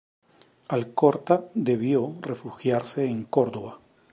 Alcorta debió refugiarse en Córdoba.